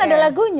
kan ada lagunya